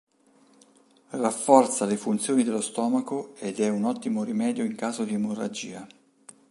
Rafforza le funzioni dello stomaco ed è un ottimo rimedio in caso di emorragia.